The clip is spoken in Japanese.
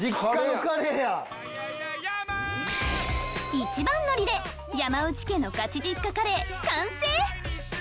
一番乗りで山内家のガチ実家カレー完成！